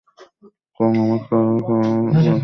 কারণ আমার চেহারা অর্ধেক ভারতীয়র সাথে মিলে যায়।